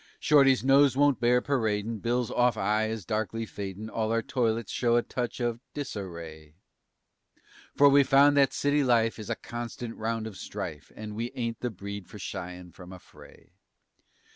Shorty's nose won't bear paradin', Bill's off eye is darkly fadin', All our toilets show a touch of disarray, For we found that city life is a constant round of strife And we ain't the breed for shyin' from a fray.